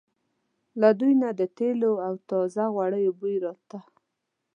له دوی نه د تېلو او تازه غوړیو بوی راته.